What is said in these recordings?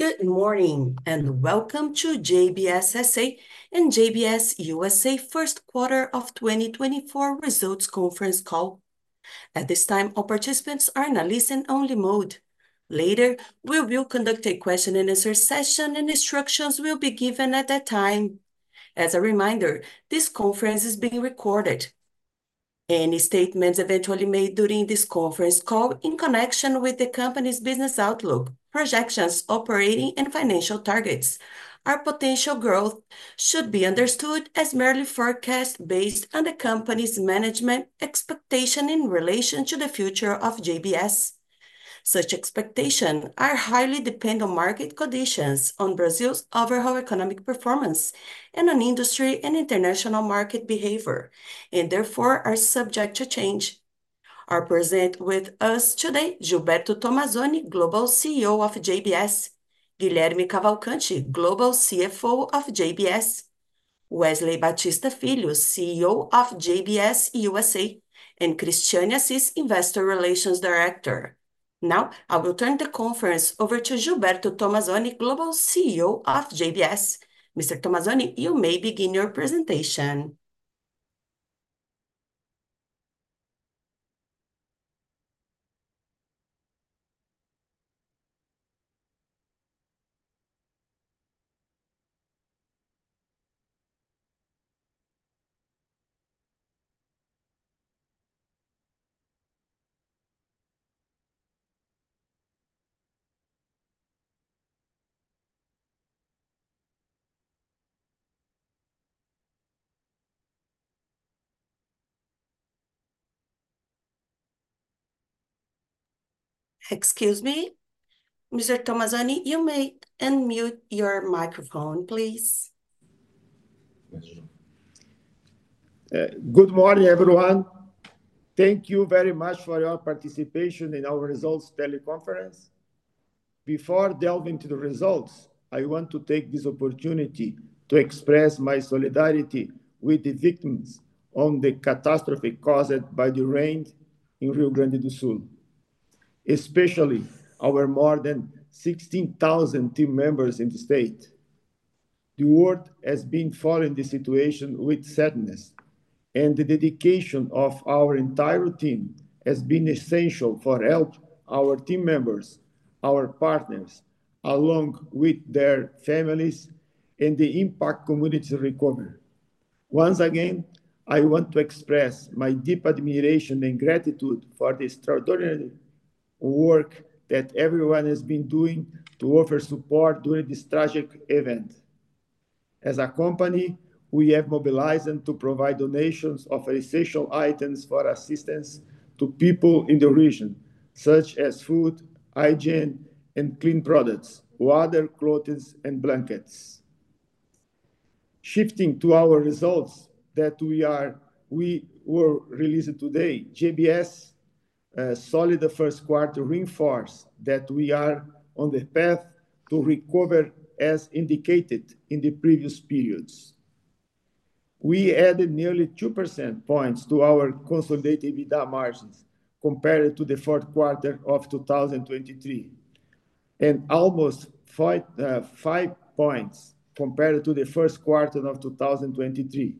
Good morning, and welcome to JBS S.A. and JBS USA first quarter of 2024 results conference call. At this time, all participants are in a listen-only mode. Later, we will conduct a question-and-answer session, and instructions will be given at that time. As a reminder, this conference is being recorded. Any statements eventually made during this conference call in connection with the company's business outlook, projections, operating and financial targets, our potential growth should be understood as merely forecast based on the company's management expectation in relation to the future of JBS. Such expectation are highly depend on market conditions, on Brazil's overall economic performance, and on industry and international market behavior, and therefore, are subject to change. Present with us today, Gilberto Tomazoni, Global CEO of JBS, Guilherme Cavalcanti, Global CFO of JBS, Wesley Batista Filho, CEO of JBS USA, and Cristiane Assis, Investor Relations Director. Now, I will turn the conference over to Gilberto Tomazoni, Global CEO of JBS. Mr. Tomazoni, you may begin your presentation. Excuse me, Mr. Tomazoni, you may unmute your microphone, please. Good morning, everyone. Thank you very much for your participation in our results teleconference. Before delving into the results, I want to take this opportunity to express my solidarity with the victims on the catastrophe caused by the rains in Rio Grande do Sul, especially our more than 16,000 team members in the state. The world has been following the situation with sadness, and the dedication of our entire team has been essential for help our team members, our partners, along with their families, and the impact community recover. Once again, I want to express my deep admiration and gratitude for the extraordinary work that everyone has been doing to offer support during this tragic event. As a company, we have mobilized them to provide donations of essential items for assistance to people in the region, such as food, hygiene, and clean products, water, clothing, and blankets. Shifting to our results that we are releasing today, JBS had a solid first quarter, reinforce that we are on the path to recover, as indicated in the previous periods. We added nearly 2 percentage points to our consolidated EBITDA margins compared to the fourth quarter of 2023, and almost five points compared to the first quarter of 2023,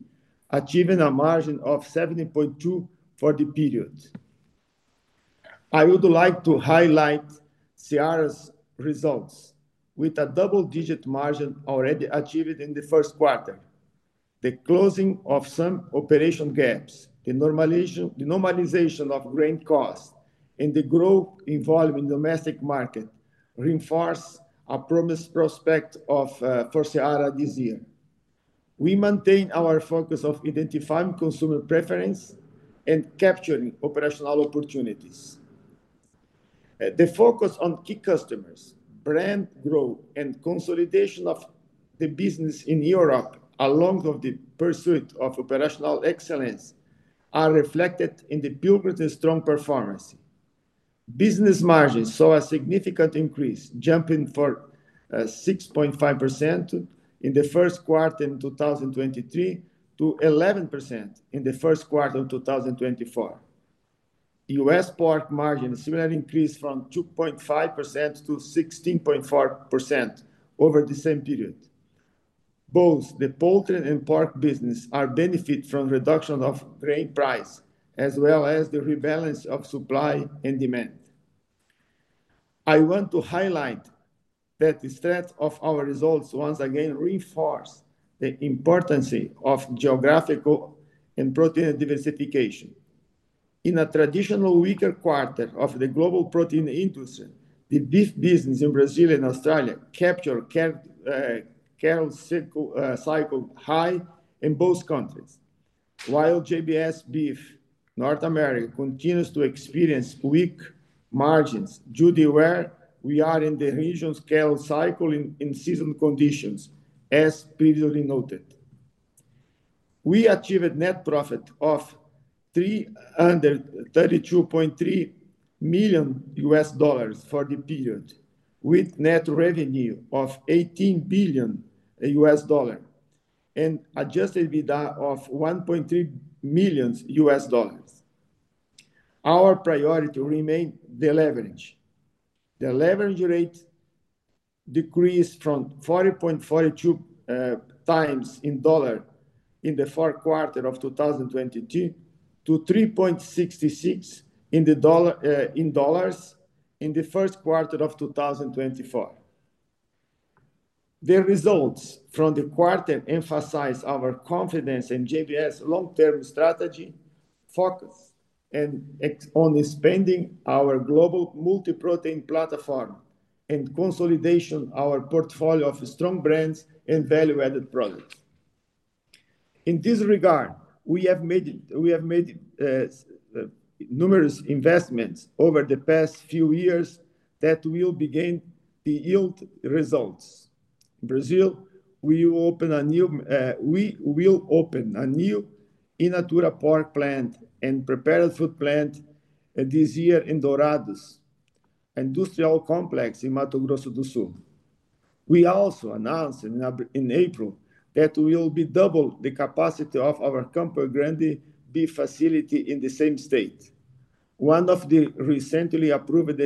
achieving a margin of 70.2% for the period. I would like to highlight Seara's results. With a double-digit margin already achieved in the first quarter, the closing of some operation gaps, the normalization of grain costs, and the growth involved in domestic market, reinforce our promised prospect for Seara this year. We maintain our focus of identifying consumer preference and capturing operational opportunities. The focus on key customers, brand growth, and consolidation of the business in Europe, along with the pursuit of operational excellence, are reflected in the Pilgrim's strong performance. Business margins saw a significant increase, jumping from 6.5% in the first quarter in 2023, to 11% in the first quarter of 2024. U.S. pork margins similarly increased from 2.5% to 16.4% over the same period. Both the poultry and pork business are benefit from reduction of grain price, as well as the rebalance of supply and demand. I want to highlight that the strength of our results, once again, reinforce the importance of geographical and protein diversification. In a traditional weaker quarter of the global protein industry, the beef business in Brazil and Australia capture cow-calf cycle high in both countries. While JBS Beef North America continues to experience weak margins due to where we are in the region-scale cycle in season conditions, as previously noted. We achieved net profit of $332.3 million for the period, with net revenue of $18 billion and adjusted EBITDA of $1.3 million.... Our priority remain the leverage. The leverage rate decreased from 40.42x in dollars in the fourth quarter of 2022, to 3.66 in dollars in the first quarter of 2024. The results from the quarter emphasize our confidence in JBS' long-term strategy, focus, and ex- on expanding our global multi-protein platform, and consolidation our portfolio of strong brands and value-added products. In this regard, we have made numerous investments over the past few years that will begin to yield results. In Brazil, we will open a new in natura pork plant and prepared food plant this year in Dourados industrial complex in Mato Grosso do Sul. We also announced in April that we will double the capacity of our Campo Grande beef facility in the same state, one of the recently approved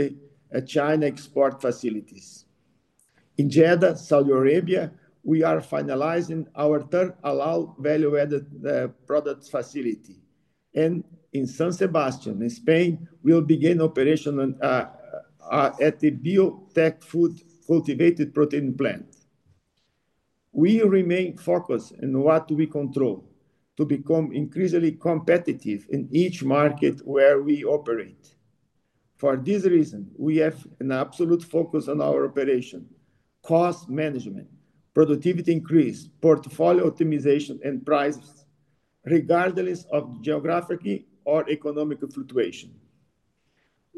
China export facilities. In Jeddah, Saudi Arabia, we are finalizing our third Halal value-added products facility. In San Sebastián, in Spain, we will begin operation at the Biotech Foods cultivated protein plant. We remain focused on what we control to become increasingly competitive in each market where we operate. For this reason, we have an absolute focus on our operation, cost management, productivity increase, portfolio optimization, and prices, regardless of geographically or economic fluctuation.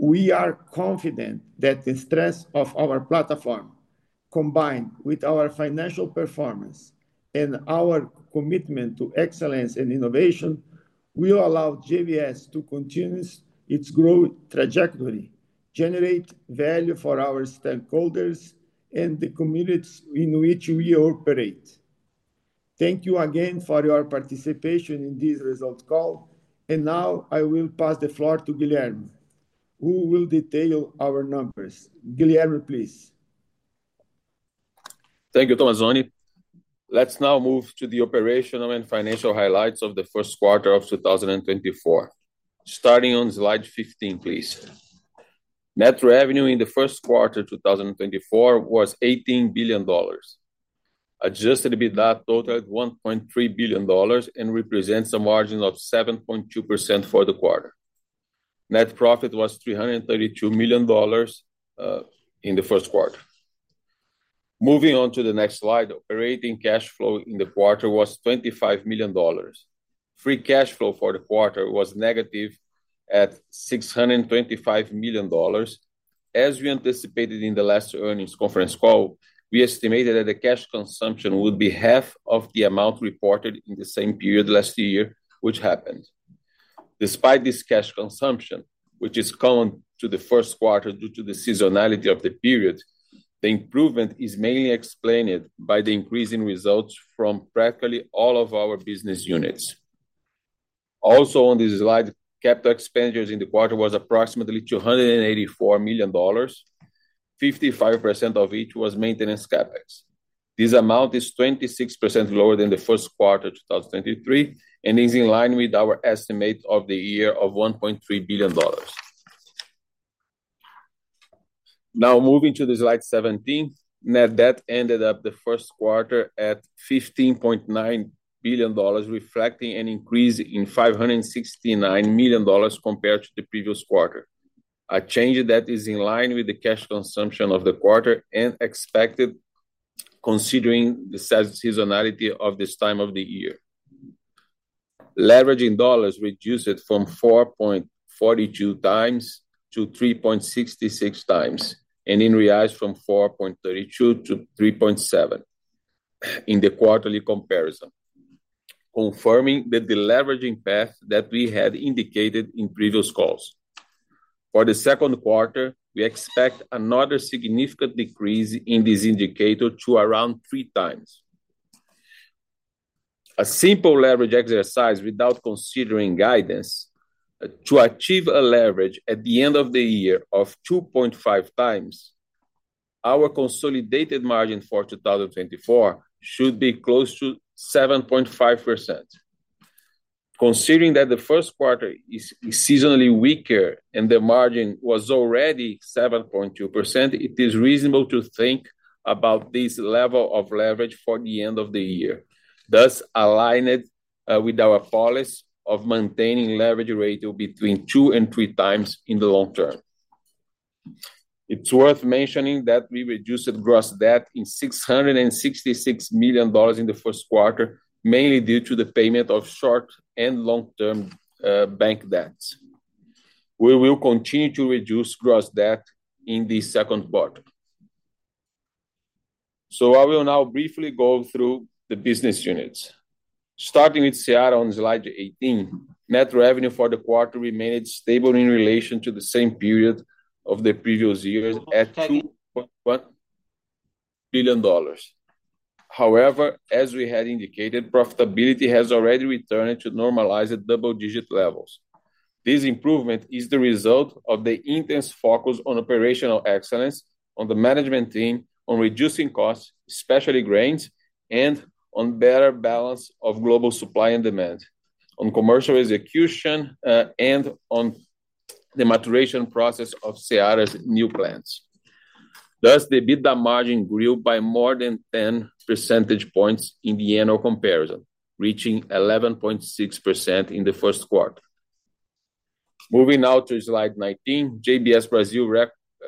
We are confident that the strength of our platform, combined with our financial performance and our commitment to excellence and innovation, will allow JBS to continue its growth trajectory, generate value for our stakeholders, and the communities in which we operate. Thank you again for your participation in this results call, and now I will pass the floor to Guilherme, who will detail our numbers. Guilherme, please. Thank you, Tomazoni. Let's now move to the operational and financial highlights of the first quarter of 2024. Starting on slide 15, please. Net revenue in the first quarter, 2024, was $18 billion. Adjusted EBITDA totaled $1.3 billion, and represents a margin of 7.2% for the quarter. Net profit was $332 million in the first quarter. Moving on to the next slide, operating cash flow in the quarter was $25 million. Free cash flow for the quarter was negative, at $625 million. As we anticipated in the last earnings conference call, we estimated that the cash consumption would be half of the amount reported in the same period last year, which happened. Despite this cash consumption, which is common to the first quarter due to the seasonality of the period, the improvement is mainly explained by the increase in results from practically all of our business units. Also on this slide, capital expenditures in the quarter was approximately $284 million, 55% of which was maintenance CapEx. This amount is 26% lower than the first quarter, 2023, and is in line with our estimate of the year of $1.3 billion. Now, moving to slide 17, net debt ended up the first quarter at $15.9 billion, reflecting an increase in $569 million compared to the previous quarter. A change that is in line with the cash consumption of the quarter, and expected considering the seasonality of this time of the year. Leverage in dollars reduced from 4.42x to 3.66x, and in reais from 4.32 to 3.7 in the quarterly comparison, confirming the deleveraging path that we had indicated in previous calls. For the second quarter, we expect another significant decrease in this indicator to around 3x. A simple leverage exercise without considering guidance, to achieve a leverage at the end of the year of 2.5x, our consolidated margin for 2024 should be close to 7.5%. Considering that the first quarter is seasonally weaker and the margin was already 7.2%, it is reasonable to think about this level of leverage for the end of the year, thus align it with our policy of maintaining leverage ratio between two and 3x in the long term. It's worth mentioning that we reduced gross debt in $666 million in the first quarter, mainly due to the payment of short and long-term bank debts. We will continue to reduce gross debt in the second quarter. I will now briefly go through the business units. Starting with Seara on slide 18, net revenue for the quarter remained stable in relation to the same period of the previous years at $2.1 billion. However, as we had indicated, profitability has already returned to normalized double-digit levels. This improvement is the result of the intense focus on operational excellence, on the management team, on reducing costs, especially grains, and on better balance of global supply and demand, on commercial execution, and on the maturation process of Seara's new plants. Thus, the EBITDA margin grew by more than 10 percentage points in the annual comparison, reaching 11.6% in the first quarter. Moving now to slide 19, JBS Brazil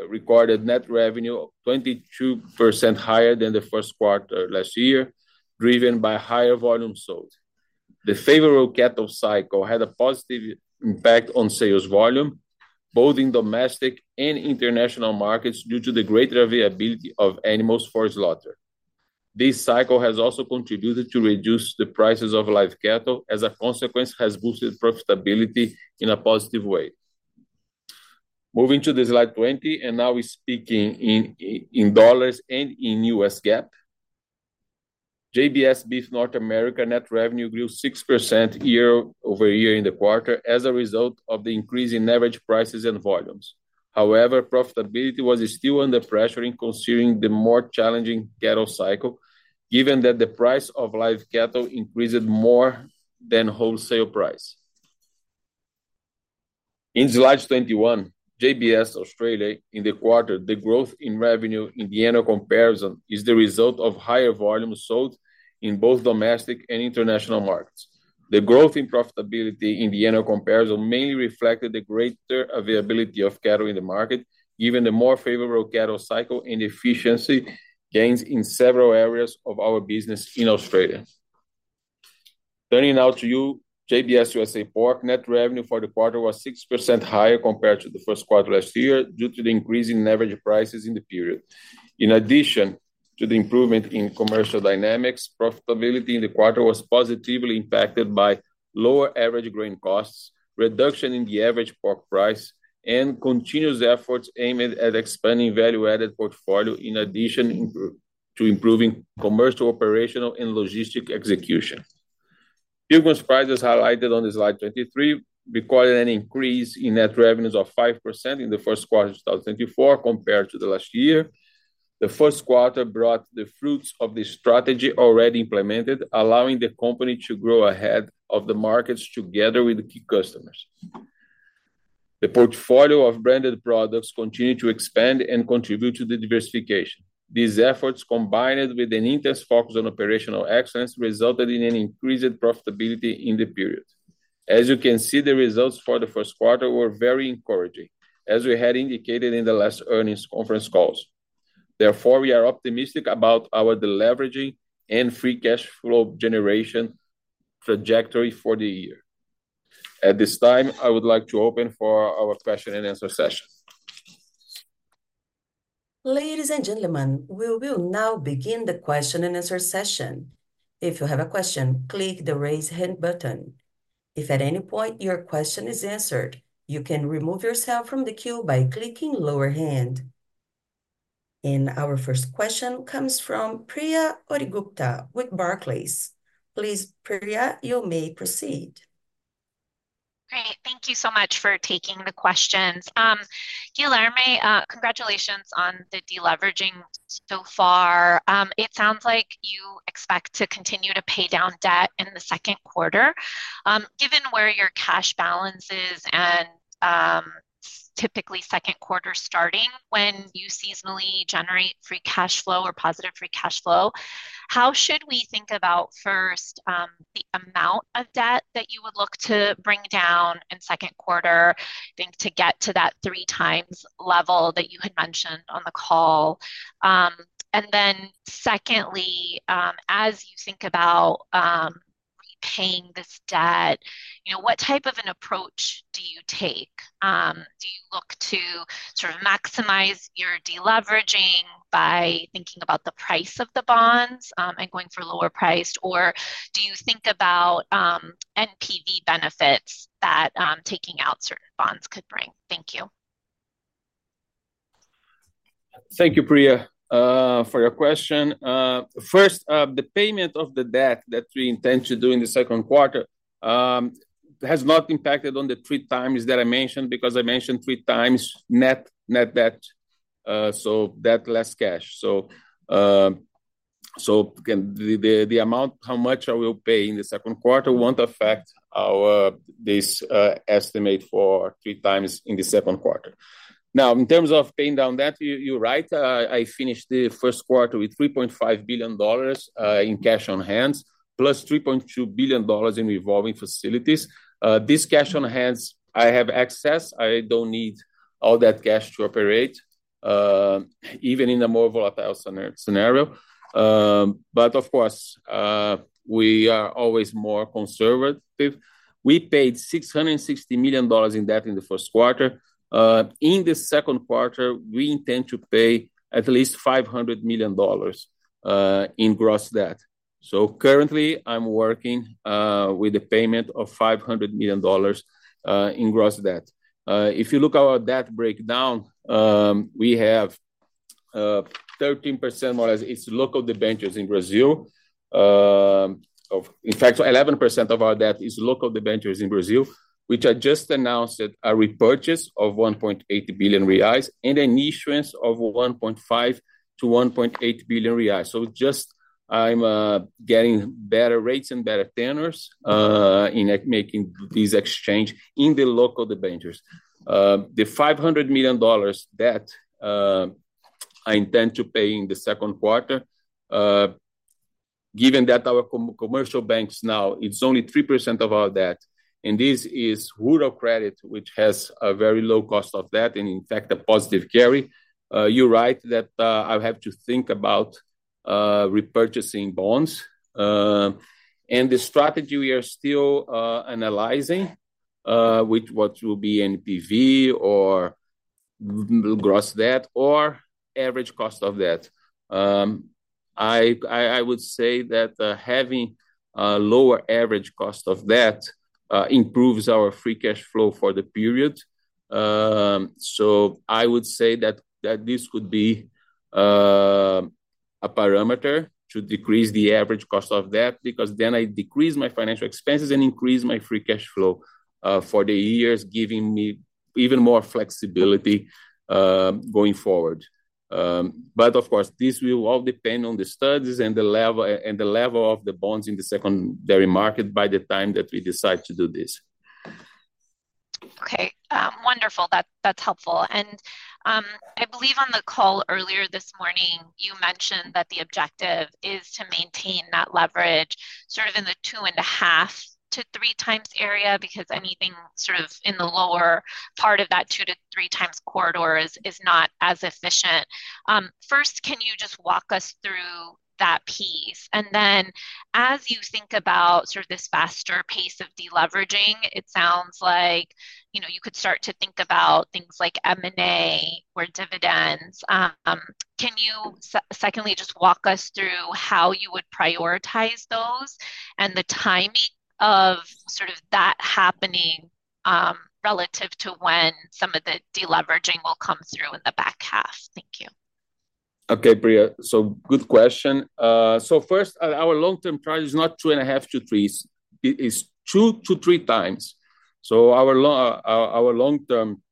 recorded net revenue 22% higher than the first quarter last year, driven by higher volume sold. The favorable cattle cycle had a positive impact on sales volume, both in domestic and international markets, due to the greater availability of animals for slaughter. This cycle has also contributed to reduce the prices of live cattle, as a consequence, has boosted profitability in a positive way. Moving to slide 20, and now we're speaking in dollars and in US GAAP. JBS Beef North America net revenue grew 6% year-over-year in the quarter as a result of the increase in average prices and volumes. However, profitability was still under pressure in considering the more challenging cattle cycle, given that the price of live cattle increased more than wholesale price. In slide 21, JBS Australia, in the quarter, the growth in revenue in the annual comparison is the result of higher volumes sold in both domestic and international markets. The growth in profitability in the annual comparison mainly reflected the greater availability of cattle in the market, given the more favorable cattle cycle and efficiency gains in several areas of our business in Australia. Turning now to you, JBS USA Pork net revenue for the quarter was 6% higher compared to the first quarter last year, due to the increase in average prices in the period. In addition to the improvement in commercial dynamics, profitability in the quarter was positively impacted by lower average grain costs, reduction in the average pork price, and continuous efforts aimed at expanding value-added portfolio, in addition to improving commercial, operational, and logistic execution. Pilgrim's Pride, as highlighted on the slide 23, recorded an increase in net revenues of 5% in the first quarter of 2024 compared to the last year. The first quarter brought the fruits of the strategy already implemented, allowing the company to grow ahead of the markets together with the key customers. The portfolio of branded products continued to expand and contribute to the diversification. These efforts, combined with an intense focus on operational excellence, resulted in an increased profitability in the period. As you can see, the results for the first quarter were very encouraging, as we had indicated in the last earnings conference calls. Therefore, we are optimistic about our deleveraging and free cash flow generation trajectory for the year. At this time, I would like to open for our question and answer session. Ladies and gentlemen, we will now begin the question and answer session. If you have a question, click the Raise Hand button. If at any point your question is answered, you can remove yourself from the queue by clicking Lower Hand. And our first question comes from Priya Ohri-Gupta with Barclays. Please, Priya, you may proceed. Great. Thank you so much for taking the questions. Guilherme, congratulations on the deleveraging so far. It sounds like you expect to continue to pay down debt in the second quarter. Given where your cash balance is, and typically second quarter starting, when you seasonally generate free cash flow or positive free cash flow, how should we think about, first, the amount of debt that you would look to bring down in second quarter, I think, to get to that 3x level that you had mentioned on the call? And then secondly, as you think about repaying this debt, you know, what type of an approach do you take? Do you look to sort of maximize your deleveraging by thinking about the price of the bonds, and going for lower priced, or do you think about, NPV benefits that, taking out certain bonds could bring? Thank you. Thank you, Priya, for your question. First, the payment of the debt that we intend to do in the second quarter has not impacted on the 3x that I mentioned, because I mentioned 3x net debt, so debt less cash. So, again, the amount, how much I will pay in the second quarter won't affect our... This estimate for 3x in the second quarter. Now, in terms of paying down debt, you're right, I finished the first quarter with $3.5 billion in cash on hand, +$3.2 billion in revolving facilities. This cash on hand I have access. I don't need all that cash to operate, even in a more volatile scenario. But of course, we are always more conservative. We paid $660 million in debt in the first quarter. In the second quarter, we intend to pay at least $500 million in gross debt. So currently, I'm working with the payment of $500 million in gross debt. If you look at our debt breakdown, we have 13% more as its local debentures in Brazil. In fact, 11% of our debt is local debentures in Brazil, which I just announced that a repurchase of 1.8 billion reais and an issuance of 1.5 billion-1.8 billion reais. So just I'm getting better rates and better tenors in making this exchange in the local debentures. The $500 million debt I intend to pay in the second quarter, given that our commercial banks now, it's only 3% of our debt, and this is rural credit, which has a very low cost of debt, and in fact, a positive carry. You're right that I have to think about repurchasing bonds. The strategy we are still analyzing with what will be NPV or gross debt or average cost of debt. I would say that having a lower average cost of debt improves our free cash flow for the period. So I would say that this would be a parameter to decrease the average cost of debt, because then I decrease my financial expenses and increase my Free Cash Flow for the years, giving me even more flexibility going forward. But of course, this will all depend on the studies and the level, and the level of the bonds in the secondary market by the time that we decide to do this. Okay. Wonderful. That's, that's helpful, and, I believe on the call earlier this morning, you mentioned that the objective is to maintain that leverage sort of in the 2.5-3x area, because anything sort of in the lower part of that two to 3x corridor is, is not as efficient. First, can you just walk us through that piece? And then as you think about sort of this faster pace of deleveraging, it sounds like, you know, you could start to think about things like M&A or dividends. Secondly, just walk us through how you would prioritize those and the timing of sort of that happening, relative to when some of the deleveraging will come through in the back half? Thank you. Okay, Priya, so good question. So first, our long-term target is not 2.5-3s, it is two to 3x. So our long-term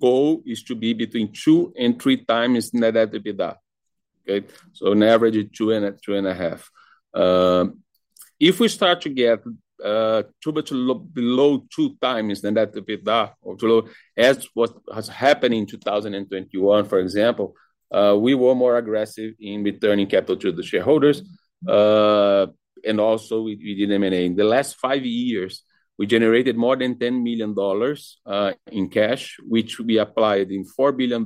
goal is to be between two and 3x net debt to EBITDA. Okay? So an average of two and 2.5. If we start to get too much below 2x net debt to EBITDA or too low, as what has happened in 2021, for example, we were more aggressive in returning capital to the shareholders, and also we did M&A. In the last five years, we generated more than $10 million in cash, which will be applied in $4 billion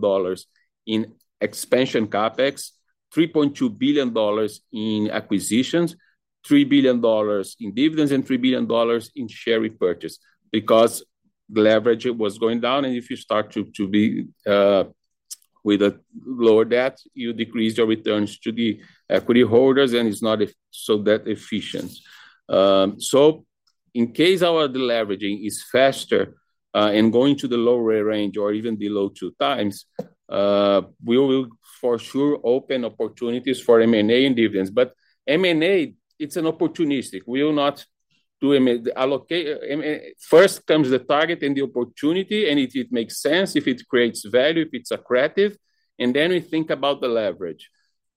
in expansion CapEx, $3.2 billion in acquisitions, $3 billion in dividends, and $3 billion in share repurchase. Because the leverage was going down, and if you start to be with a lower debt, you decrease your returns to the equity holders, and it's not so efficient. So in case our deleveraging is faster, and going to the lower range or even below 2x, we will for sure open opportunities for M&A and dividends. But M&A, it's opportunistic. We will not do. First comes the target and the opportunity, and if it makes sense, if it creates value, if it's accretive, and then we think about the leverage,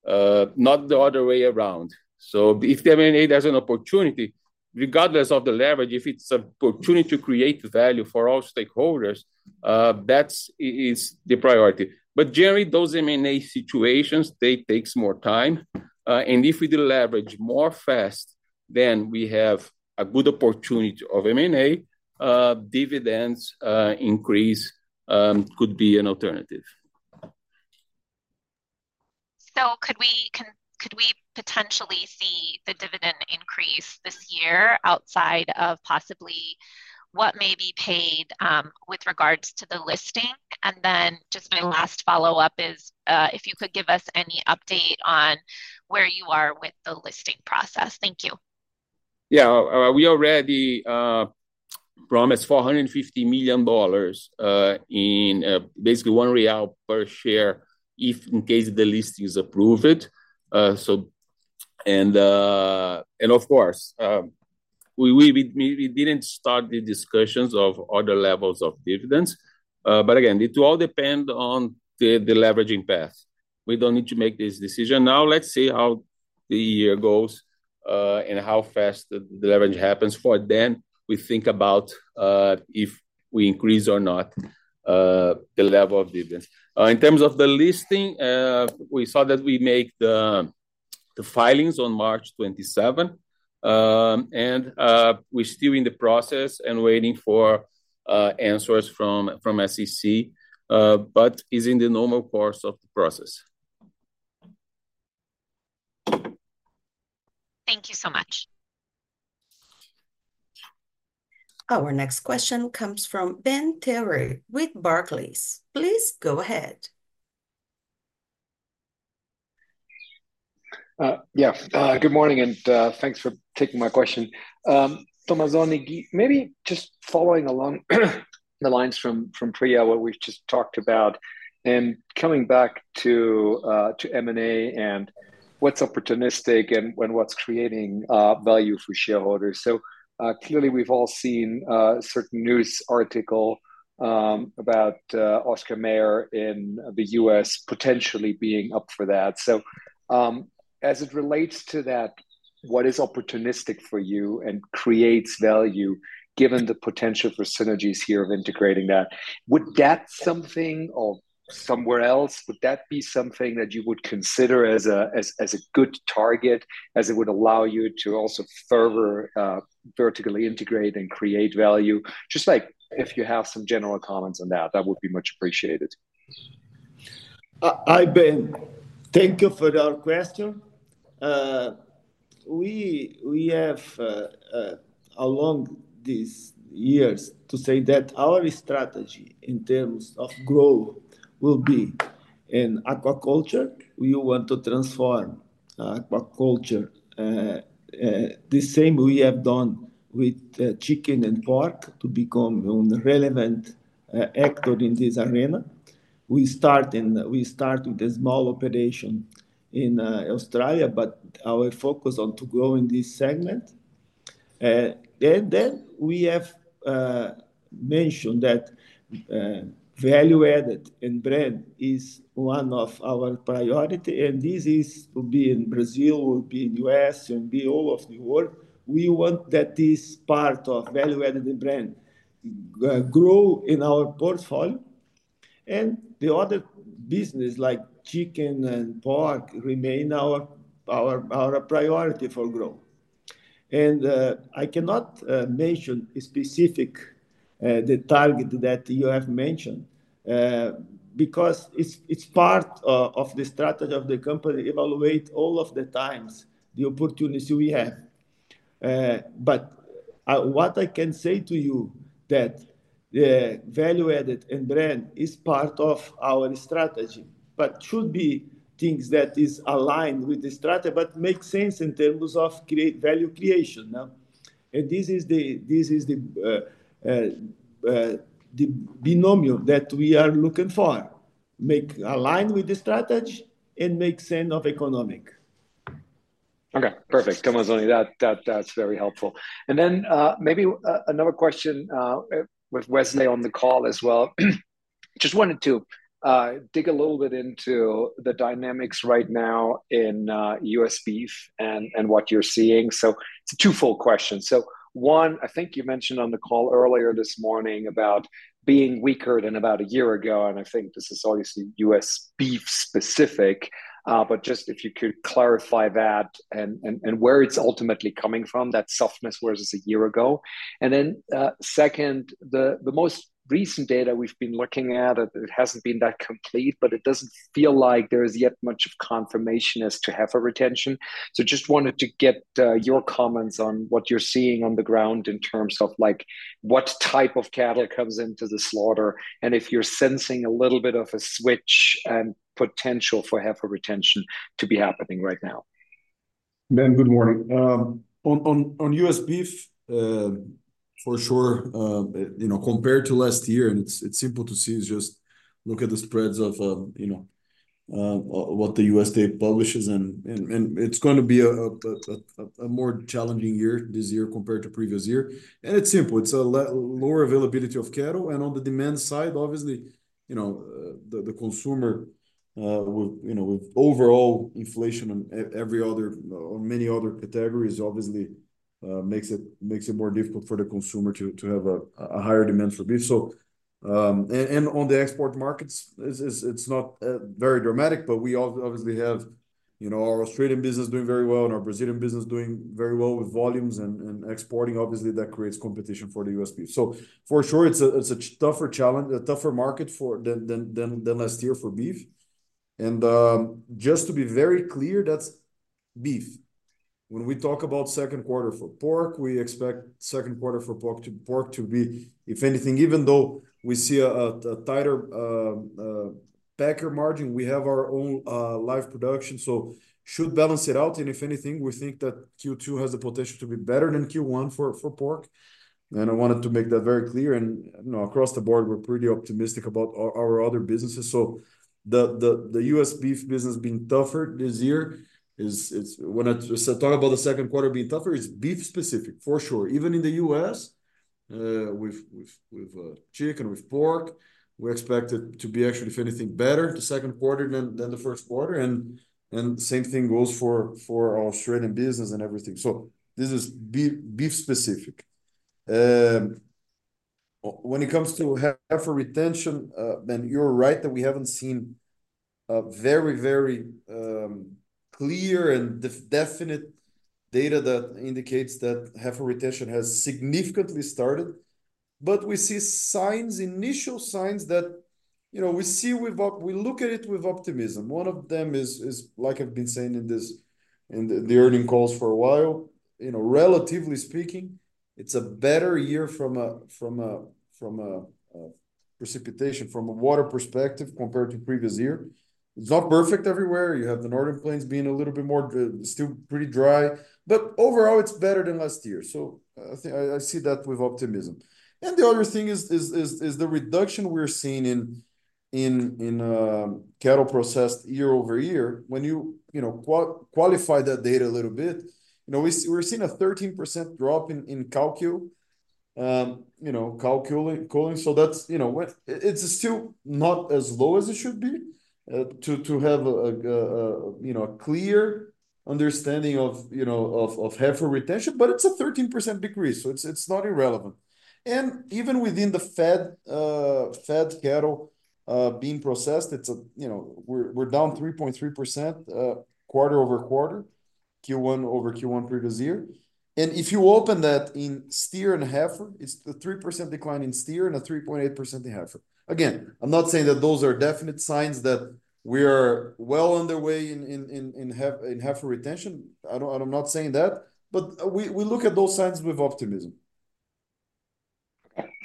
not the other way around. So if the M&A has an opportunity, regardless of the leverage, if it's an opportunity to create value for all stakeholders, that's the priority. But generally, those M&A situations, they takes more time, and if we deleverage more fast, then we have a good opportunity of M&A, dividends, increase, could be an alternative. Could we potentially see the dividend increase this year outside of possibly what may be paid with regards to the listing? Just my last follow-up is, if you could give us any update on where you are with the listing process. Thank you. Yeah. We already promised $450 million, in basically 1 real per share, if in case the listing is approved. So, and, and of course, we didn't start the discussions of other levels of dividends, but again, it will all depend on the deleveraging path. We don't need to make this decision now. Let's see how the year goes, and how fast the deleverage happens. For then, we think about, if we increase or not, the level of dividends. In terms of the listing, we saw that we make the, the filings on March 27, and, we're still in the process and waiting for, answers from, from SEC, but it's in the normal course of the process. Thank you so much.... Our next question comes from Ben Theurer with Barclays. Please go ahead. Yeah. Good morning, and thanks for taking my question. Tomazoni, maybe just following along the lines from Priya, what we've just talked about, and coming back to M&A, and what's opportunistic and what's creating value for shareholders. So, clearly we've all seen certain news article about Oscar Mayer in the US potentially being up for that. So, as it relates to that, what is opportunistic for you and creates value, given the potential for synergies here of integrating that? Would that something or somewhere else, would that be something that you would consider as a good target, as it would allow you to also further vertically integrate and create value? Just like if you have some general comments on that, that would be much appreciated. Hi, Ben. Thank you for that question. We have, along these years, to say that our strategy in terms of growth will be in aquaculture. We want to transform aquaculture the same we have done with chicken and pork, to become a relevant actor in this arena. We start with a small operation in Australia, but our focus on to grow in this segment. And then we have mentioned that value added in brand is one of our priority, and this is to be in Brazil, will be in U.S., and be all of the world. We want that this part of value added in brand grow in our portfolio. And the other business, like chicken and pork, remain our priority for growth. I cannot mention a specific the target that you have mentioned, because it's part of the strategy of the company, evaluate all of the times the opportunities we have. But what I can say to you that the value added in brand is part of our strategy, but should be things that is aligned with the strategy, but makes sense in terms of value creation, yeah? And this is the binomial that we are looking for, make aligned with the strategy and make sense of economic. Okay, perfect. Tomazoni, that's very helpful. Then, maybe another question with Wesley on the call as well. Just wanted to dig a little bit into the dynamics right now in U.S. beef and what you're seeing. So it's a two-fold question. So, one, I think you mentioned on the call earlier this morning about being weaker than about a year ago, and I think this is obviously U.S. beef specific, but just if you could clarify that, and where it's ultimately coming from, that softness, whereas a year ago. Then, second, the most recent data we've been looking at, it hasn't been that complete, but it doesn't feel like there is yet much of confirmation as to heifer retention. Just wanted to get your comments on what you're seeing on the ground in terms of, like, what type of cattle comes into the slaughter, and if you're sensing a little bit of a switch and potential for heifer retention to be happening right now? Ben, good morning. On U.S. beef, for sure, you know, compared to last year, and it's simple to see; it's just look at the spreads of, you know, what the USDA publishes, and it's going to be a more challenging year this year compared to previous year. And it's simple; it's a lower availability of cattle, and on the demand side, obviously, you know, the consumer, with, you know, with overall inflation and every other, or many other categories, obviously, makes it more difficult for the consumer to have a higher demand for beef. So, on the export markets, it's not very dramatic, but we obviously have, you know, our Australian business doing very well and our Brazilian business doing very well with volumes and exporting, obviously, that creates competition for the U.S. beef. So for sure, it's a tougher challenge, a tougher market than last year for beef. And, just to be very clear, that's beef. When we talk about second quarter for pork, we expect second quarter for pork to be, if anything, even though we see a tighter packer margin, we have our own live production, so should balance it out. And if anything, we think that Q2 has the potential to be better than Q1 for pork, and I wanted to make that very clear. You know, across the board, we're pretty optimistic about our other businesses. So the US beef business being tougher this year is, it's... When I just talk about the second quarter being tougher, it's beef specific for sure. Even in the US, with chicken, with pork, we expect it to be actually, if anything, better the second quarter than the first quarter. And same thing goes for our Australian business and everything. So this is beef specific. When it comes to heifer retention, Ben, you're right that we haven't seen a very clear and definite data that indicates that heifer retention has significantly started, but we see signs, initial signs that you know, we look at it with optimism. One of them is, like I've been saying in this, in the earnings calls for a while, you know, relatively speaking, it's a better year from a precipitation, from a water perspective compared to previous year. It's not perfect everywhere. You have the northern plains being a little bit more still pretty dry, but overall it's better than last year. So, I see that with optimism. And the other thing is the reduction we're seeing in cattle processed year-over-year. When you, you know, qualify that data a little bit, you know, we're seeing a 13% drop in cow-calf, you know, cow-calf culling. So that's, you know, what... It's still not as low as it should be, to have a you know, a clear understanding of you know, of heifer retention, but it's a 13% decrease, so it's not irrelevant. And even within the fed cattle being processed, it's a... You know, we're down 3.3%, quarter-over-quarter, Q1 over Q1 previous year. And if you open that in steer and heifer, it's a 3% decline in steer and a 3.8% in heifer. Again, I'm not saying that those are definite signs that we are well underway in heifer retention. I don't- I'm not saying that, but we look at those signs with optimism.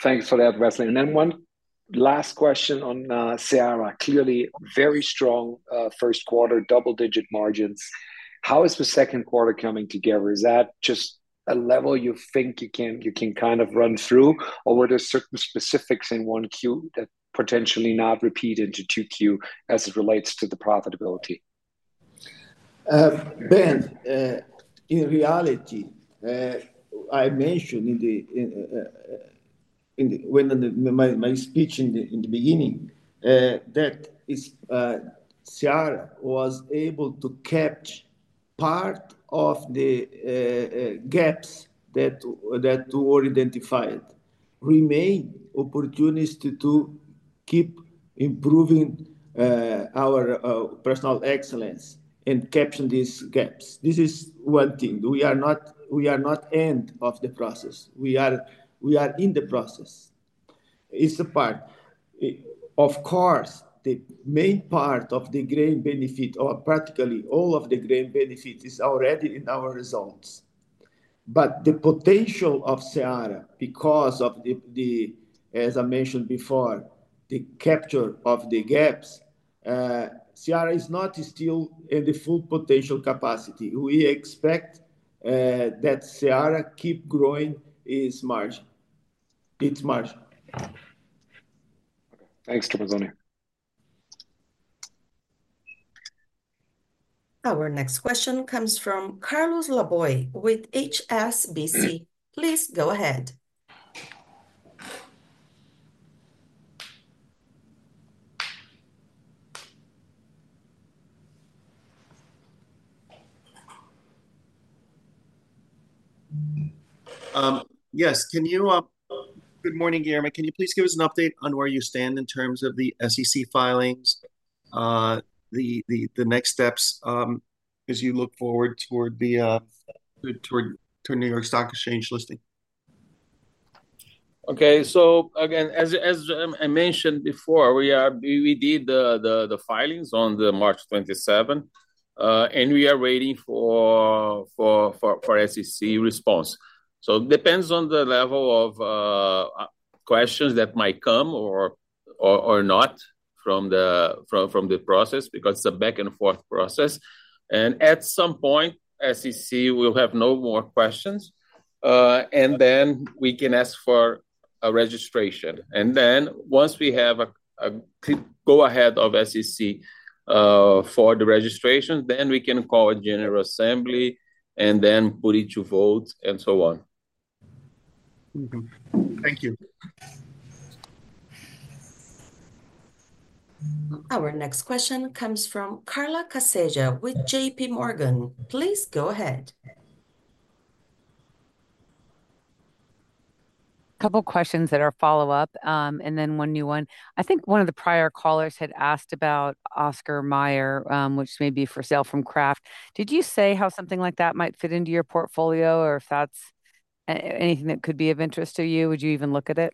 Thanks for that, Wesley. And then one last question on Seara. Clearly, very strong first quarter, double-digit margins. How is the second quarter coming together? Is that just a level you think you can, you can kind of run through, or were there certain specifics in 1Q that potentially not repeated to 2Q as it relates to the profitability? Ben, in reality, I mentioned in the beginning that Seara was able to catch part of the gaps that were identified. Remain opportunity to keep improving our personal excellence and capturing these gaps. This is one thing. We are not end of the process, we are in the process. It's a part. Of course, the main part of the grain benefit or practically all of the grain benefit is already in our results. But the potential of Seara, because of the, as I mentioned before, the capture of the gaps, Seara is not still at the full potential capacity. We expect that Seara keep growing its margin, its margin. Thanks, Tomazoni. Our next question comes from Carlos Laboy, with HSBC. Please go ahead. Good morning, Guilherme. Can you please give us an update on where you stand in terms of the SEC filings, the next steps, as you look forward toward the New York Stock Exchange listing? Okay. So again, as I mentioned before, we did the filings on March 27th, and we are waiting for SEC response. So depends on the level of questions that might come or not from the process, because it's a back-and-forth process. And at some point, SEC will have no more questions, and then we can ask for a registration. And then once we have a clear go-ahead of SEC for the registration, then we can call a general assembly, and then put it to vote, and so on. Mm-hmm. Thank you. Our next question comes from Carla Casella, with JPMorgan. Please go ahead. couple questions that are follow-up, and then one new one. I think one of the prior callers had asked about Oscar Mayer, which may be for sale from Kraft. Did you say how something like that might fit into your portfolio, or if that's anything that could be of interest to you? Would you even look at it?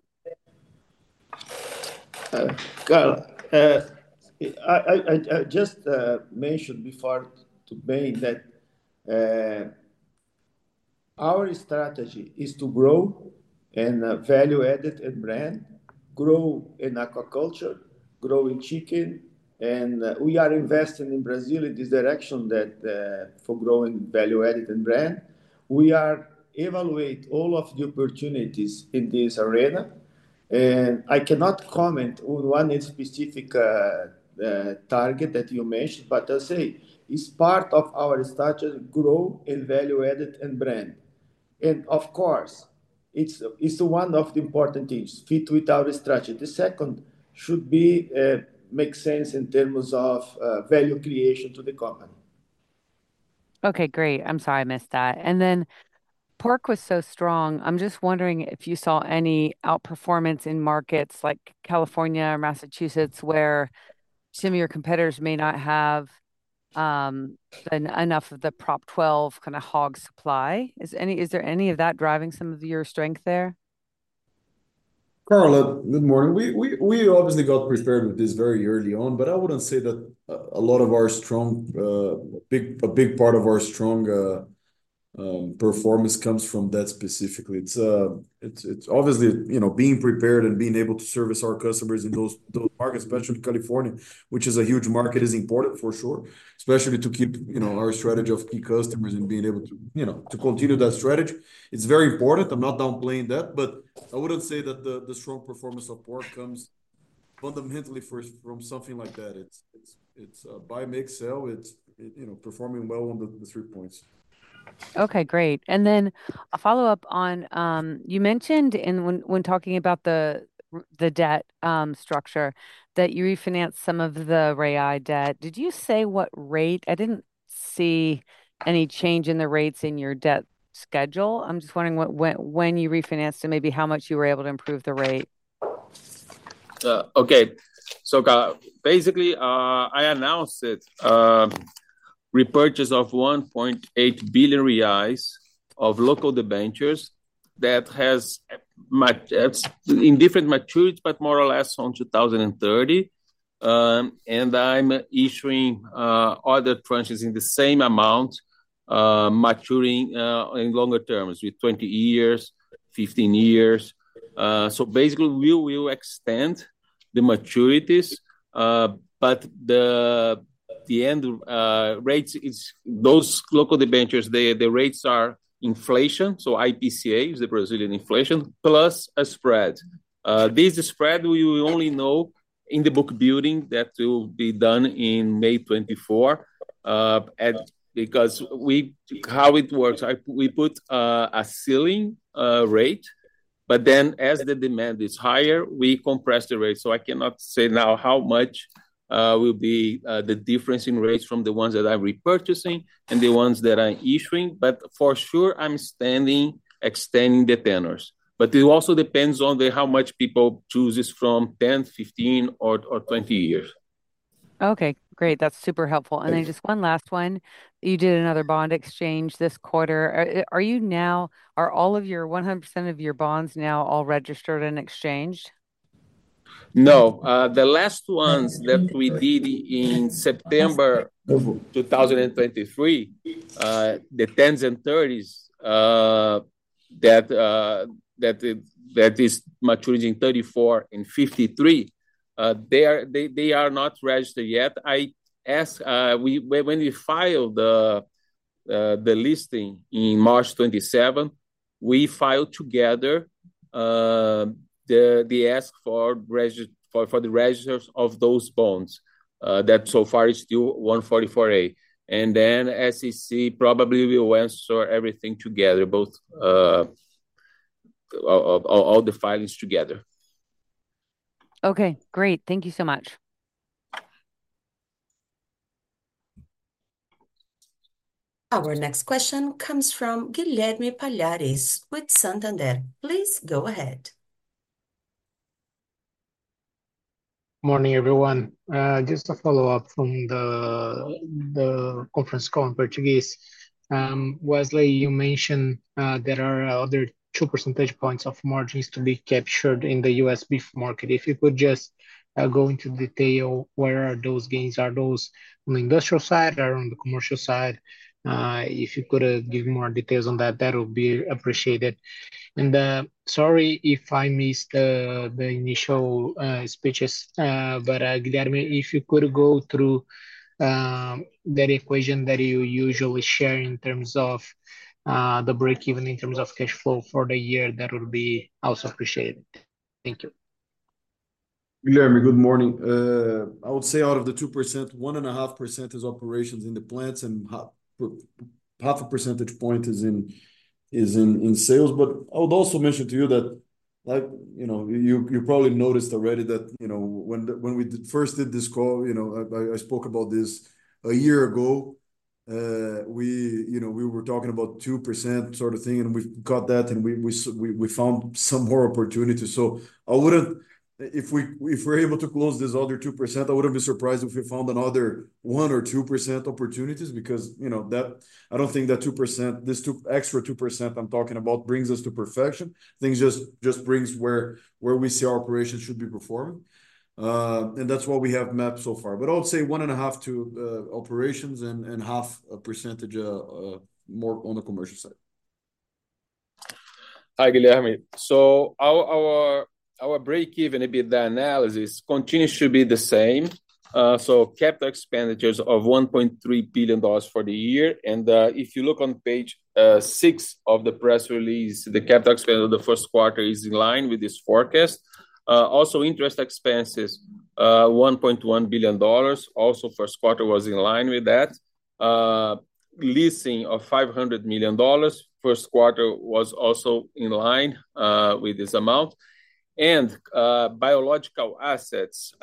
Carla, I just mentioned before to Ben that our strategy is to grow and value-added and brand, grow in aquaculture, grow in chicken. We are investing in Brazil in this direction that for growing value-added and brand. We are evaluate all of the opportunities in this arena, and I cannot comment on one specific target that you mentioned, but I say, it's part of our strategy to grow in value-added and brand. Of course, it's one of the important things, fit with our strategy. The second should be make sense in terms of value creation to the company. Okay, great. I'm sorry I missed that. And then pork was so strong, I'm just wondering if you saw any outperformance in markets like California or Massachusetts, where some of your competitors may not have enough of the Prop 12 kind of hog supply. Is there any of that driving some of your strength there? Carol, good morning. We obviously got prepared with this very early on, but I wouldn't say that a lot of our strong performance comes from that specifically. It's obviously, you know, being prepared and being able to service our customers in those markets, especially California, which is a huge market, is important for sure. Especially to keep, you know, our strategy of key customers and being able to, you know, to continue that strategy. It's very important, I'm not downplaying that, but I wouldn't say that the strong performance of pork comes fundamentally first from something like that. It's buy, make, sell, it's, you know, performing well on the three points. Okay, great. And then a follow-up on, you mentioned when talking about the debt structure, that you refinanced some of the Reais debt. Did you say what rate? I didn't see any change in the rates in your debt schedule. I'm just wondering what, when you refinanced and maybe how much you were able to improve the rate? Okay. So, Carla, basically, I announced the repurchase of 1.8 billion reais of local debentures that have maturities in different maturities, but more or less on 2030. And I'm issuing other tranches in the same amount, maturing in longer terms, with 20 years, 15 years. So basically, we will extend the maturities, but the interest rates of those local debentures, the rates are inflation, so IPCA, the Brazilian inflation, plus a spread. This spread, we will only know in the book building that will be done in May 2024. And because we—how it works, we put a ceiling rate, but then as the demand is higher, we compress the rate. So I cannot say now how much will be the difference in rates from the ones that I'm repurchasing and the ones that I'm issuing, but for sure, I'm standing extending the tenors. But it also depends on how much people choose this from 10, 15 or 20 years. Okay, great. That's super helpful. Thank you. And then just one last one. You did another bond exchange this quarter. Are you now, are all of your, 100% of your bonds now all registered and exchanged? No. The last ones that we did in September 2023, the 10s and 30s, that is maturing 2034 and 2053, they are not registered yet. I asked... When we filed the listing in March 2027, we filed together the ask for regist- for the registers of those bonds. That so far is still 144A. And then SEC probably will answer everything together, both all the filings together. Okay, great. Thank you so much. Our next question comes from Guilherme Palhares with Santander. Please go ahead. Morning, everyone. Just a follow-up from the conference call in Portuguese. Wesley, you mentioned there are other 2 percentage points of margins to be captured in the U.S. beef market. If you could just go into detail, where are those gains? Are those on the industrial side or on the commercial side? If you could give more details on that, that would be appreciated. And sorry if I missed the initial speeches, but Guilherme, if you could go through that equation that you usually share in terms of the break-even in terms of cash flow for the year, that would be also appreciated. Thank you. Guilherme, good morning. I would say out of the 2%, 1.5% is operations in the plants, and half a percentage point is in sales. But I would also mention to you that, like, you know, you probably noticed already that, you know, when we first did this call, you know, I spoke about this a year ago, we were talking about 2% sort of thing, and we've got that, and we found some more opportunities. So I wouldn't... If we're able to close this other 2%, I wouldn't be surprised if we found another 1%-2% opportunities, because, you know, that, I don't think that 2%, this extra 2% I'm talking about brings us to perfection. Things just brings where we see our operations should be performing. And that's what we have mapped so far. But I would say 1.5 to operations and 0.5% more on the commercial side. Hi, Guilherme. So our break-even EBITDA analysis continues to be the same. So capital expenditures of $1.3 billion for the year, and if you look on page six of the press release, the capital expenditure of the first quarter is in line with this forecast. Also, interest expenses, $1.1 billion, also first quarter was in line with that. Leasing of $500 million, first quarter was also in line with this amount. And biological assets,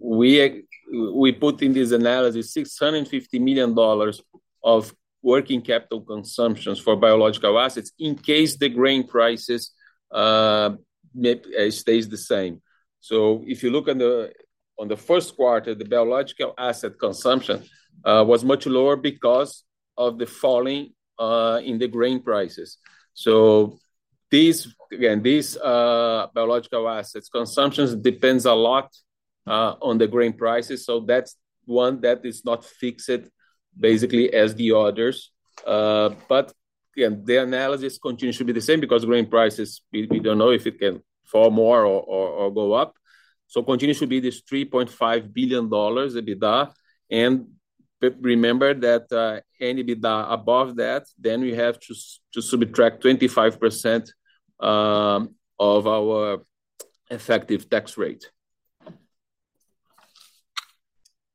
we put in this analysis $650 million of working capital consumptions for biological assets, in case the grain prices may stay the same. So if you look on the first quarter, the biological asset consumption was much lower because of the fall in the grain prices. So these, again, biological assets consumption depends a lot on the grain prices, so that's one that is not fixed, basically, as the others. But again, the analysis continues to be the same because grain prices, we don't know if it can fall more or go up. So continues to be this $3.5 billion EBITDA, and remember that any EBITDA above that, then we have to subtract 25% of our effective tax rate.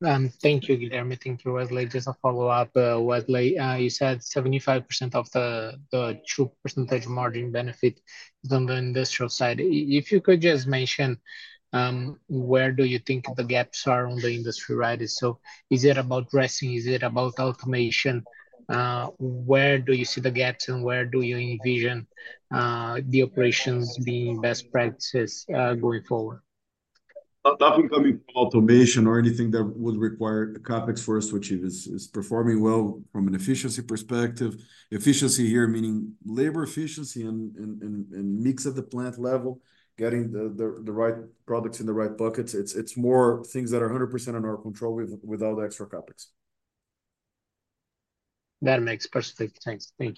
Thank you, Guilherme. Thank you, Wesley. Just a follow-up, Wesley, you said 75% of the true percentage margin benefit is on the industrial side. If you could just mention where do you think the gaps are on the industry, right? So is it about dressing? Is it about automation? Where do you see the gaps, and where do you envision the operations being best practices going forward? Nothing coming from automation or anything that would require a CapEx for us, which it is, is performing well from an efficiency perspective. Efficiency here, meaning labor efficiency and mix at the plant level, getting the right products in the right buckets. It's more things that are 100% in our control without extra CapEx. That makes perfect sense. Thank you.